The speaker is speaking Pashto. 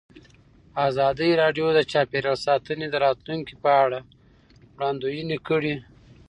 ازادي راډیو د چاپیریال ساتنه د راتلونکې په اړه وړاندوینې کړې.